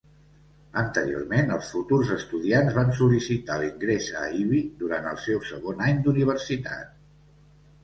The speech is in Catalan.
Anteriorment, els futurs estudiants van sol·licitar l'ingrés a Ivey durant el seu segon any d'universitat.